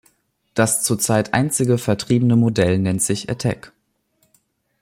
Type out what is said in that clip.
Das zurzeit einzige vertriebene Modell nennt sich ""Attack"".